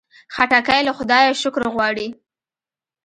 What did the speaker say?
خټکی له خدایه شکر غواړي.